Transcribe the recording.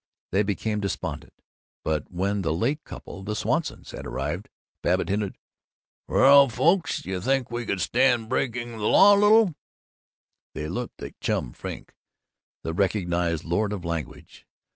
They became despondent. But when the late couple (the Swansons) had arrived, Babbitt hinted, "Well, folks, do you think you could stand breaking the law a little?" They looked at Chum Frink, the recognized lord of language.